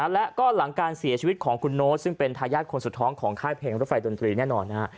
และก็หลังการเสียชีวิตของคุณโน้ตซึ่งเป็นทายาทคนสุดท้องของค่ายเพลงรถไฟดนตรีแน่นอนนะฮะ